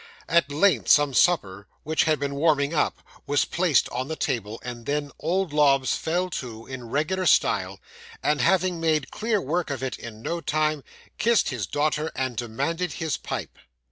At length some supper, which had been warming up, was placed on the table, and then old Lobbs fell to, in regular style; and having made clear work of it in no time, kissed his daughter, and demanded his pipe.